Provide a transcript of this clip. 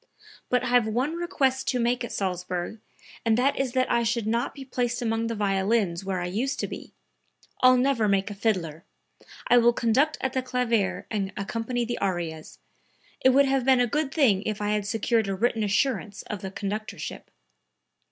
But I have one request to make at Salzburg, and that is that I shall not be placed among the violins where I used to be; I'll never make a fiddler. I will conduct at the clavier and accompany the arias. It would have been a good thing if I had secured a written assurance of the conductorship."